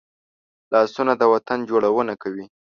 لاسونه د وطن جوړونه کوي